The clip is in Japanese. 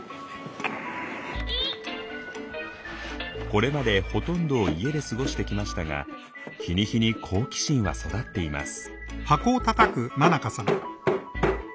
これまでほとんどを家で過ごしてきましたが日に日に好奇心は育っています。